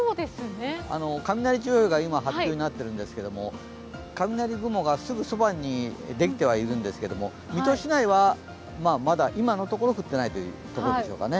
雷注意報が、今発表になっているんですけども雷雲がすぐそばにできてはいるんですけれど水戸市内は今のところ降ってないというところでしょうかね。